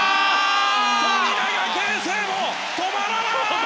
富永啓生も止まらない！